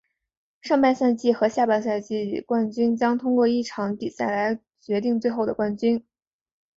上半赛季和下半赛季冠军球队将通过一场比赛来决定最后的冠军。